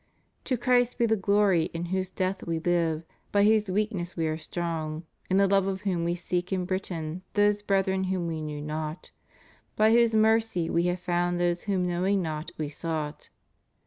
To Christ be the glory in whose death we live; by whose weakness we are strong, in the love of whom We seek in Britain those brethren whom We knew not; by whose mercy We have found those whom knowing not We sought.